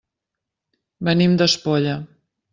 Venim d'Espolla.